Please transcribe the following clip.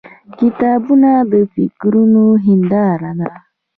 • کتابونه د فکرونو هنداره ده.